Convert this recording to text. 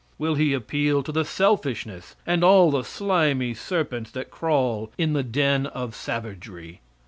Will he appeal to the selfishness and all the slimy serpents that crawl in the den of savagery?